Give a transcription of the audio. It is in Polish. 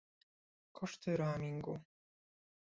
Koszty roamingu